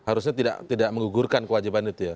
harusnya tidak menggugurkan kewajiban itu ya